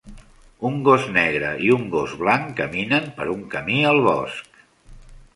Un gos negre i un gos blanc caminen per un camí al bosc